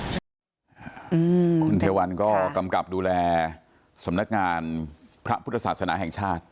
คุณเทวันก็กำกับดูแลสำนักงานพระพุทธศาสนาแห่งชาติ